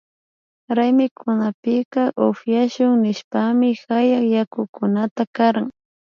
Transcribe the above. Raymikunapika upyashun nishpami hayak yakukunata karan